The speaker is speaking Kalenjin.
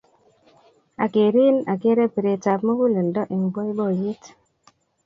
Akerin akere piret ap muguleldo eng' poipoyet.